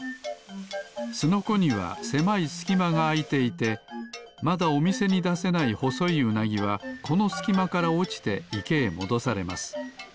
スノコにはせまいすきまがあいていてまだおみせにだせないほそいウナギはこのすきまからおちていけへもどされます。